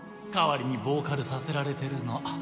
代わりにボーカルさせられてるの。